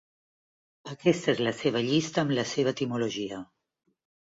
Aquesta és la seva llista amb la seva etimologia.